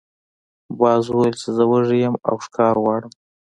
باز وویل چې زه وږی یم او ښکار غواړم.